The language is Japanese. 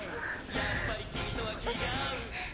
やっぱり君とは気が合う。